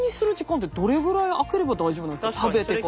食べてから。